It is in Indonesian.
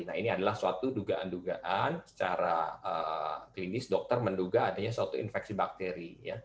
nah ini adalah suatu dugaan dugaan secara klinis dokter menduga adanya suatu infeksi bakteri